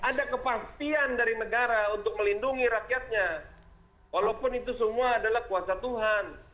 ada kepastian dari negara untuk melindungi rakyatnya walaupun itu semua adalah kuasa tuhan